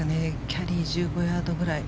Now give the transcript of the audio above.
キャリー１５ヤードくらい。